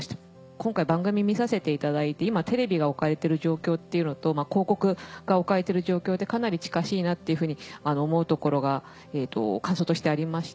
今回番組見させていただいて今テレビが置かれてる状況っていうのと広告が置かれている状況ってかなり近しいなっていうふうに思うところが感想としてありまして。